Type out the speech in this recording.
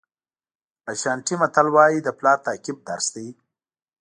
اشانټي متل وایي د پلار تعقیب درس دی.